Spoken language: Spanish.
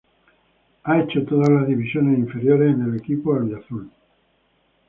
Ha hecho todas las divisiones inferiores en el equipo albiazul.